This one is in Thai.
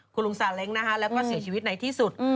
คุณลุงซาเล้งนะคะแล้วก็เสียชีวิตในที่สุด